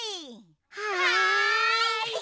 はい！